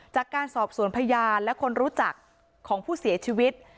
จากการสอบสวนพยานและคนรู้จักของผู้เสียชีวิต